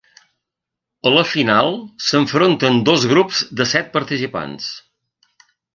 A la final s'enfronten dos grups de set participants.